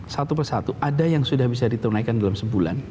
satu persatu ada yang sudah bisa ditunaikan dalam sebulan